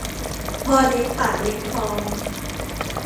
พอเลี้ยงปากเลี้ยงท้อง